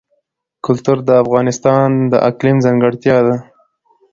کلتور د افغانستان د اقلیم ځانګړتیا ده.